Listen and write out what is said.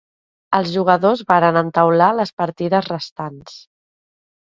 Els jugadors varen entaular les partides restants.